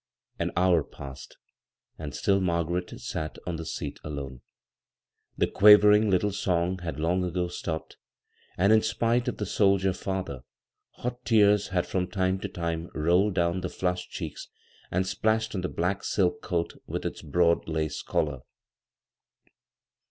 An hour passed, and still Margaret sat on the seat alone. The quavering litde song had long ago stopped, and in spite of the soldier father, hot tears had from time to time rolled down the flushed cheeks and splashed on the black silk coat with its broad lace collar.